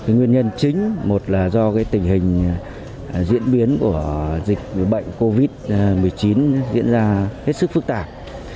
nguyên nhân chính một là do tình hình diễn biến của dịch bệnh covid một mươi chín diễn ra hết sức phức tạp